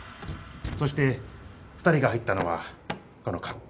そして２人が入ったのはこの勝手口。